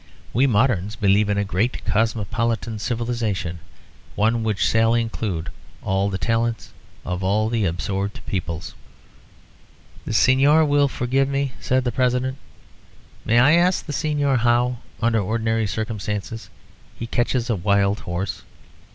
We moderns believe in a great cosmopolitan civilisation, one which shall include all the talents of all the absorbed peoples " "The Señor will forgive me," said the President. "May I ask the Señor how, under ordinary circumstances, he catches a wild horse?"